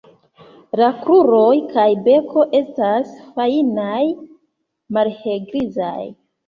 La kruroj kaj beko estas fajnaj, malhelgrizaj.